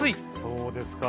そうですか。